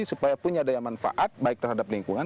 supaya punya daya manfaat baik terhadap lingkungan